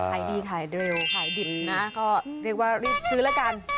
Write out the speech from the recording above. ขายดีขายเร็วขายดิบนะก็เรียกว่ารีบซื้อแล้วกัน